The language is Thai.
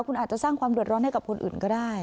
คุณอาจจะสร้างความเดือดร้อนให้กับคนอื่นก็ได้